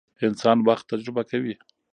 انسان وخت تجربه کوي.